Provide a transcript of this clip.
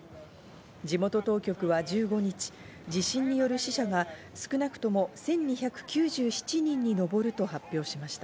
地元当局は１５日、地震による死者が少なくとも１２９７人に上ると発表しました。